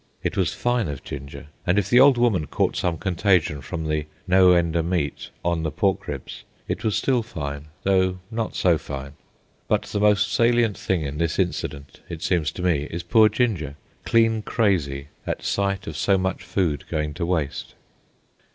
It was fine of Ginger, and if the old woman caught some contagion from the "no end o' meat" on the pork ribs, it was still fine, though not so fine. But the most salient thing in this incident, it seems to me, is poor Ginger, "clean crazy" at sight of so much food going to waste.